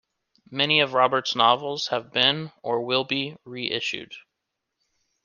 Many of Roberts' novels have been, or will be, reissued.